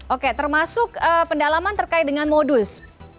oke termasuk pendalaman terkait dengan modus